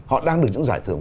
họ đang được những giải thưởng